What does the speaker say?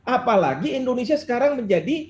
apalagi indonesia sekarang menjadi